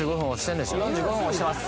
４５分押してます